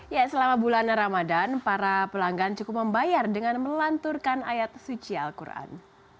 ya selama bulan ramadan para pelanggan cukup membayar dengan melanturkan ayat suci al quran